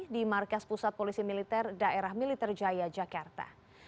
di markas pusat polisi militer daerah militer jaya jakarta